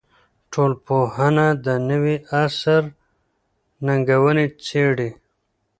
ټولنپوهنه د نوي عصر ننګونې څېړي.